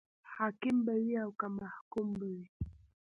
حاکم به وي او که محکوم به وي.